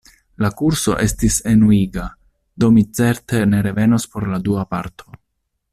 La kurso estis enuiga, do mi certe ne revenos por la dua parto.